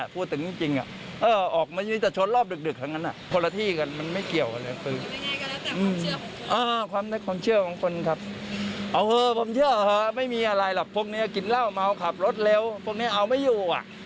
พวกเนี้ยกินเหล้าเมาขับรถเร็วพวกเนี้ยเอาไม่อยู่อ่ะ